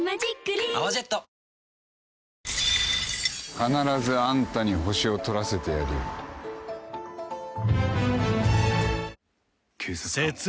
必ずあんたに星を取らせてやるよ説明